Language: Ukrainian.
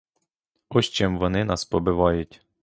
Ось чим вони нас побивають!